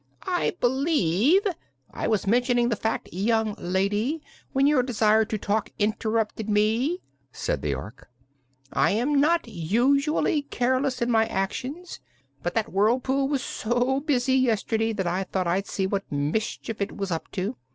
"I believe I was mentioning the fact, young lady, when your desire to talk interrupted me," said the Ork. "I am not usually careless in my actions, but that whirlpool was so busy yesterday that I thought I'd see what mischief it was up to.